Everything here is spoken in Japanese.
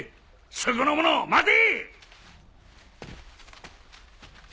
そこの者待て！